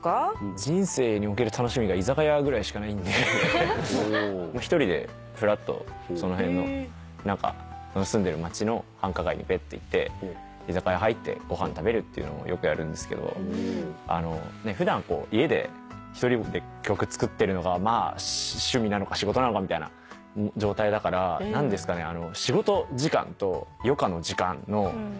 人生における楽しみが居酒屋ぐらいしかないんで１人でふらっとその辺の何か住んでる街の繁華街に行って居酒屋入ってご飯食べるってのをよくやるんですけど普段家で１人で曲作ってるのが趣味なのか仕事なのかみたいな状態だから仕事時間と余暇の時間の境目がないみたいな。